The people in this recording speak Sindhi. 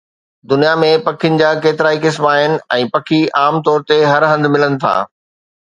دنيا ۾ پکين جا ڪيترائي قسم آهن ۽ پکي عام طور تي هر هنڌ ملن ٿا